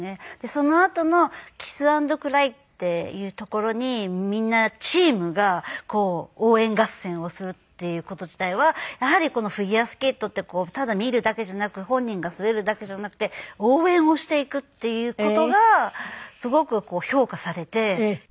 そのあとのキス＆クライっていうところにみんなチームが応援合戦をするっていう事自体はやはりフィギュアスケートってただ見るだけじゃなく本人が滑るだけじゃなくて応援をしていくっていう事がすごく評価されて。